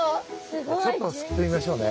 じゃあちょっとすくってみましょうね。